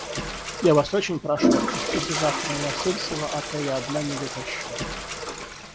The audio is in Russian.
Я Вас очень прошу, отпустите завтра Новосельцева, а то я одна не дотащу.